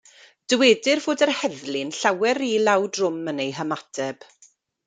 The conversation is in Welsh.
Dywedir fod yr heddlu'n llawer rhy lawdrwm yn eu hymateb.